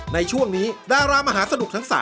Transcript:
ในช่วงนี้ดารามหาสนุกทั้ง๓